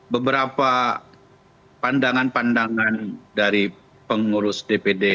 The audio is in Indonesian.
beberapa pandangan pandangan dari pengurus dpd